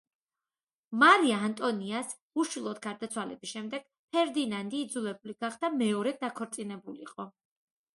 მარია ანტონიას უშვილოდ გარდაცვალების შემდეგ, ფერდინანდი იძულებული გახდა მეორედ დაქორწინებულიყო.